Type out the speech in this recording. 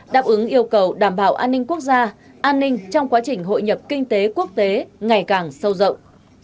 đáp ứng yêu cầu đảm bảo an ninh quốc gia an ninh trong quá trình hội nhập kinh tế quốc tế ngày càng sâu rộng